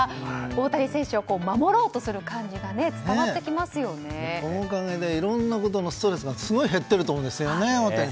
大谷選手を守ろうとする感じがそのおかげでいろんなことのストレスがすごく減っていると思うんですよ